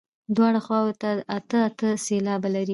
دواړو خواوو ته اته اته سېلابه لري.